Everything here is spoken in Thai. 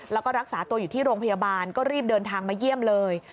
แล้วก็รักษาตัวอยู่ที่โรงพยาบาลก็รีบเดินทางมาเยี่ยมเลย